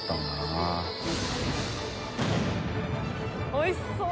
おいしそう。